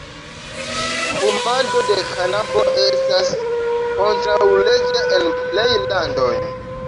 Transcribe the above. Fumado de kanabo estas kontraŭleĝa en plej landoj.